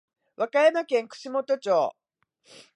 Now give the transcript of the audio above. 和歌山県串本町